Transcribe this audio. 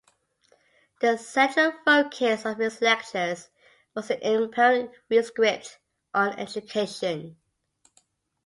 The central focus of his lectures was the Imperial Rescript on Education.